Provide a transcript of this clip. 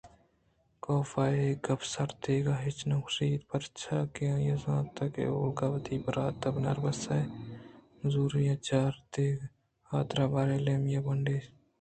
کافءَ اے گپ ءِ سرا دگہ ہچ نہ گوٛشت پرچاکہ آئی ءَ زانت کہ اولگا وتی برٛات بناربس ءِ نزوریاں چیردیگ ءِ حاترا بار ءَ ایمیلیا ءِ بڈّءَ لیٹینگ ءَ اِنت